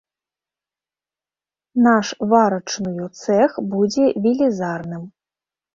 Наш варачную цэх будзе велізарным.